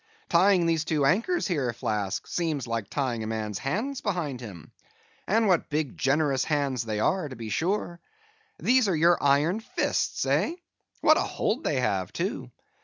Tying these two anchors here, Flask, seems like tying a man's hands behind him. And what big generous hands they are, to be sure. These are your iron fists, hey? What a hold they have, too!